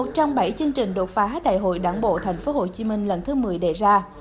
để chương trình đột phá đại hội đảng bộ tp hcm lần thứ một mươi đề ra